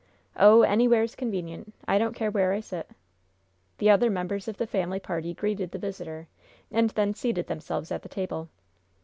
"Oh, anywheres convenient. I don't care where I sit." The other members of the family party greeted the visitor, and then seated themselves at the table.